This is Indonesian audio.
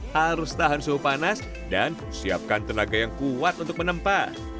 harus tahan suhu panas dan siapkan tenaga yang kuat untuk menempa